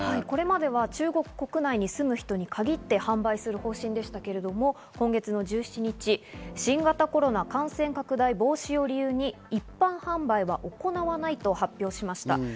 これまでは中国国内に住む人に限って販売する方針でしたけれど今月１７日、新型コロナ感染拡大防止を理由に一般販売は行わないと発表しました。